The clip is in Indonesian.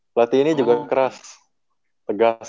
pelatih ini juga keras tegas